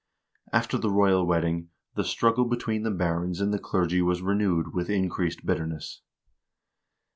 After the royal wedding the struggle between the barons and the clergy was renewed with increased bitterness.